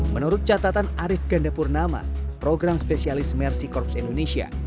menurut catatan arief gandapurnama program spesialis mercy corps indonesia